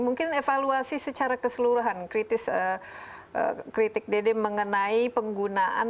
mungkin evaluasi secara keseluruhan kritik dede mengenai penggunaan